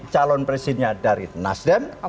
calon presidennya dari nasdem